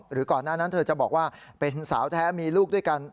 ก่อนหน้านั้นเธอจะบอกว่าเป็นสาวแท้มีลูกด้วยกัน